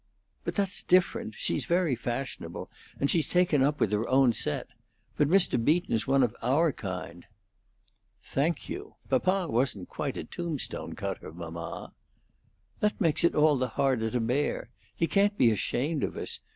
"But that's different. She's very fashionable, and she's taken up with her own set. But Mr. Beaton's one of our kind." "Thank you. Papa wasn't quite a tombstone cutter, mamma." "That makes it all the harder to bear. He can't be ashamed of us.